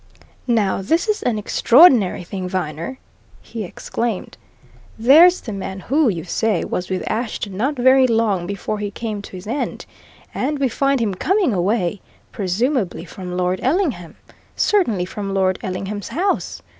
"Now, this is an extraordinary thing, Viner!" he exclaimed. "There's the man who, you say, was with Ashton not very long before he came to his end, and we find him coming away presumably from Lord Ellingham, certainly from Lord Ellingham's house!